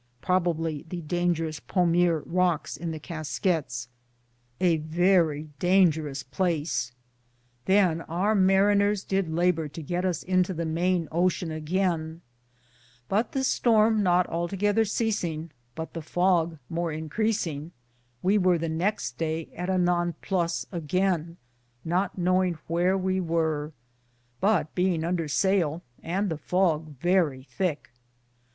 ^ Probably the dangerous " Pommier Rocks" in the Casquets. 6 DALLAM'S TRAVELS. verrie dangerus place. Than our manners did Labur to gitte into the mayn otion againe, but the storme not altogether seacinge, but the foge more Increasinge, we wear the next Daye at a non plus againe, not knowinge wheare we weare, but beinge under sayle, and the foge verrie thicke.